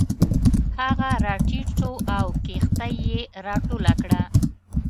هغه راټیټ شو او کښتۍ یې راټوله کړه.